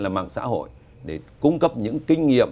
là mạng xã hội để cung cấp những kinh nghiệm